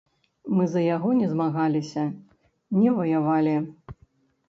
Мы за яго не змагаліся, не ваявалі.